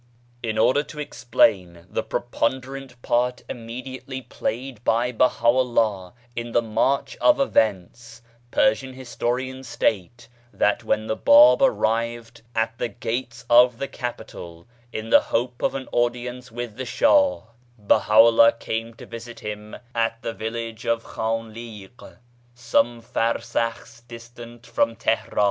In order to explain the preponderant part immediately played by BahaVllah in the march of events, Persian historians state that when the Bab arrived at the BAHA'U'LLAH 49 gates of the capital, in the hope of an audience with the Shah, Baha'u'llah came to visit him at the village of KhanlTq, some farsakhs distant from Tihran.